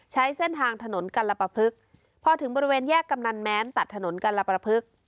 ใช้เส้นทางถนนกัลปภึกพอถึงบริเวณแยกกำนันแม้นตัดถนนกัลประพฤกษ์